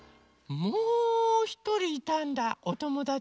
もうひとりいたんだおともだち。